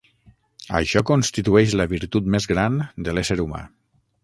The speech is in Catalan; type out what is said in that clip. Això constitueix la virtut més gran de l'ésser humà.